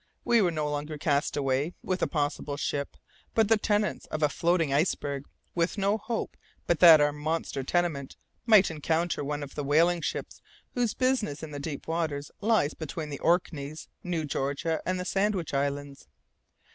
We were no longer cast away, with a possible ship, but the tenants of a floating iceberg, with no hope but that our monster tenement might encounter one of the whaling ships whose business in the deep waters lies between the Orkneys, New Georgia, and the Sandwich Islands.